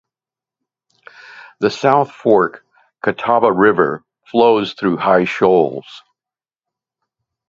The South Fork Catawba River flows through High Shoals.